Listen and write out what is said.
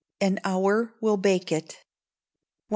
An hour will bake it. 1282.